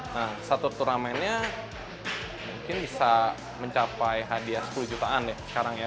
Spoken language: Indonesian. nah satu turnamennya mungkin bisa mencapai hadiah sepuluh jutaan ya sekarang ya